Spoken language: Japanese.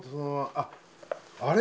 あっあれ！